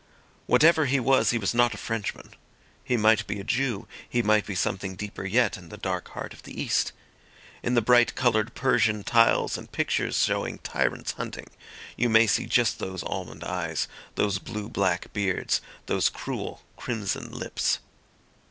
Whatever he was he was not a Frenchman; he might be a Jew; he might be something deeper yet in the dark heart of the East. In the bright coloured Persian tiles and pictures showing tyrants hunting, you may see just those almond eyes, those blue black beards, those cruel, crimson lips.